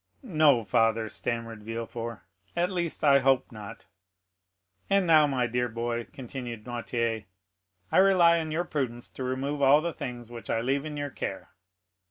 "No, father," stammered Villefort; "at least, I hope not." "And now, my dear boy," continued Noirtier, "I rely on your prudence to remove all the things which I leave in your care."